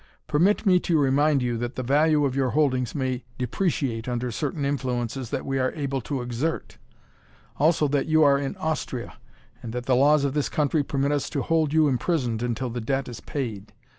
Permit me to remind you that the value of your holdings may depreciate under certain influences that we are able to exert also that you are in Austria, and that the laws of this country permit us to hold you imprisoned until the debt is paid.